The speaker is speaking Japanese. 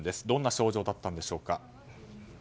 どんな症状だったんでしょうか。